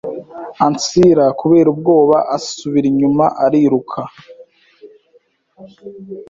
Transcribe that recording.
Ancilla kubera ubwoba asubira inyuma ariruka